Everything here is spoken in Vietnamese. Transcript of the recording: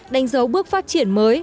đánh dấu bước phát triển mới